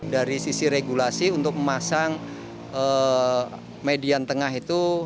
dari sisi regulasi untuk memasang median tengah itu